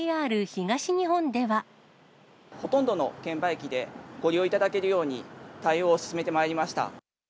ほとんどの券売機でご利用いただけるように、対応を進めてまいりました。